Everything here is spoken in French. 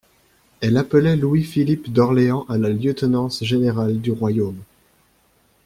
Elle appelait Louis-Philippe d'Orléans à la lieutenance générale du royaume.